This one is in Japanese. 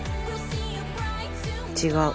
違う。